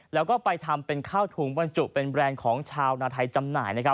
แล้วก็ไปทำเป็นข้าวถุงบรรจุเป็นแบรนด์ของชาวนาไทยจำหน่าย